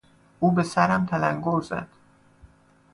او به سرم تلنگر زد.